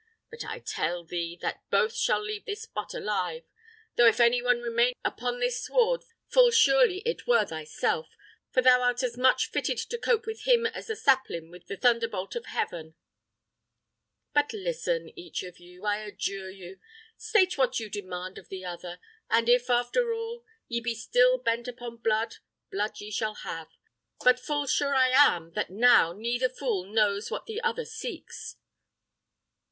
But I tell thee that both shall leave this spot alive; though if any one remained upon this sward, full surely it were thyself; for thou art as much fitted to cope with him as the sapling with the thunderbolt of heaven. But listen, each of you, I adjure you: state what you demand of the other; and if, after all, ye be still bent upon blood, blood ye shall have. But full sure am I that now neither fool knows what the other seeks."